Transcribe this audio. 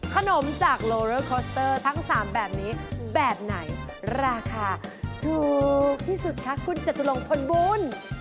ขนมจากโลเลอร์คอสเตอร์ทั้ง๓แบบนี้แบบไหนราคาถูกที่สุดคะคุณจตุรงพลบุญ